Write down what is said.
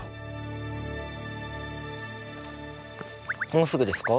もうすぐですか？